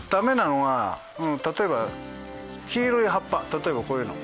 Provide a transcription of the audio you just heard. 例えばこういうの。